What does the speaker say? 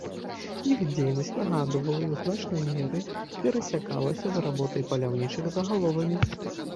Іх дзейнасць нагадвала і ў значнай меры перасякалася з работай паляўнічых за галовамі.